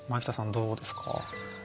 どうですか？